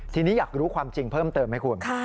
ทีนี้อยากรู้ความจริงเพิ่มเติมไหมคุณ